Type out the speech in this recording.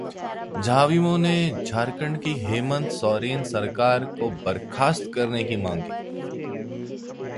झाविमो ने झारखंड की हेमंत सोरेन सरकार को बर्खास्त करने की मांग की